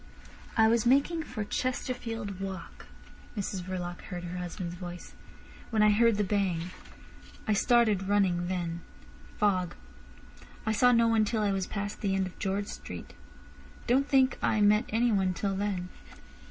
"I was making for Chesterfield Walk," Mrs Verloc heard her husband's voice, "when I heard the bang. I started running then. Fog. I saw no one till I was past the end of George Street. Don't think I met anyone till then."